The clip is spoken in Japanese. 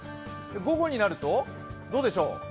午後になると、どうでしょう。